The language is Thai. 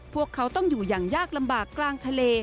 พวกเขาต้องอยู่อย่างยากลำบากกลางทะเล